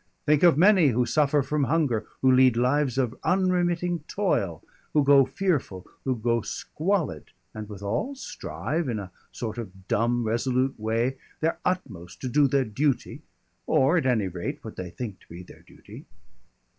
"Think of many who suffer from hunger, who lead lives of unremitting toil, who go fearful, who go squalid, and withal strive, in a sort of dumb, resolute way, their utmost to do their duty, or at any rate what they think to be their duty.